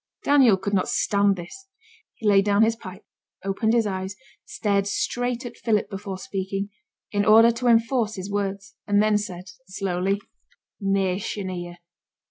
Daniel could not stand this. He laid down his pipe, opened his eyes, stared straight at Philip before speaking, in order to enforce his words, and then said slowly 'Nation here!